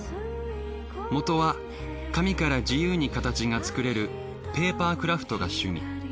もとは紙から自由に形が作れるペーパークラフトが趣味。